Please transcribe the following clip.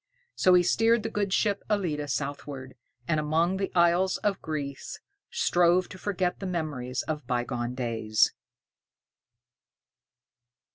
So he steered the good ship "Ellide" southward, and among the isles of Greece strove to forget the memories of bygone days.